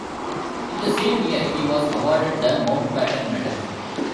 In the same year he was awarded the Mountbatten Medal.